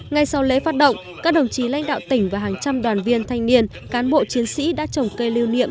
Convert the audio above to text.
ngay sau lễ phát động các đồng chí lãnh đạo tỉnh và hàng trăm đoàn viên thanh niên cán bộ chiến sĩ đã trồng cây lưu niệm